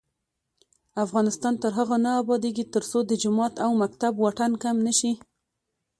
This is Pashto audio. افغانستان تر هغو نه ابادیږي، ترڅو د جومات او مکتب واټن کم نشي.